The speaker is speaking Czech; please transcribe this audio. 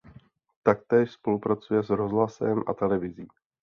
Taktéž spolupracuje s rozhlasem a televizí.